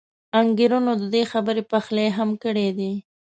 انګېرنو د دې خبرې پخلی هم کړی دی.